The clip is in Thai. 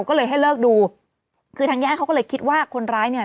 ก็เลยให้เลิกดูคือทางญาติเขาก็เลยคิดว่าคนร้ายเนี่ย